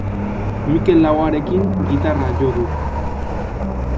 Mikel Laboarekin gitarra jo du.